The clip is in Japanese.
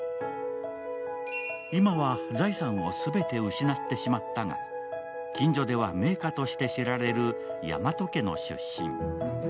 今は財産を全て失ってしまったが、近所では名家として知られる山戸家の出身。